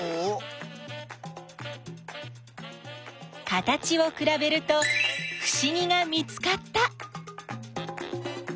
形をくらべるとふしぎが見つかった！